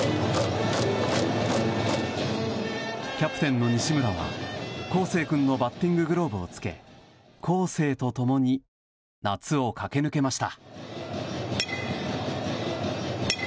キャプテンの西村は孝成君のバッティンググローブをつけ孝成と共に夏を駆け抜けました。